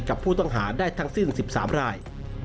กับผู้ต้องหาได้ทั้งสิ้น๑๓ราย